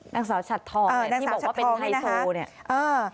นางสาวฉัดทองที่บอกว่าเป็นไฮโซ